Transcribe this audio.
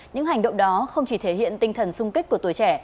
những hành động đó không chỉ thể hiện tinh thần sung kích của tuổi trẻ